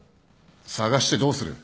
捜してどうする。